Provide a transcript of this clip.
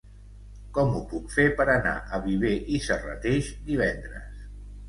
Com ho puc fer per anar a Viver i Serrateix divendres?